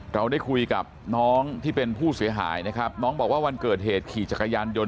เราได้คุยกับน้องที่เป็นผู้เสียหายนะครับน้องบอกว่าวันเกิดเหตุขี่จักรยานยนต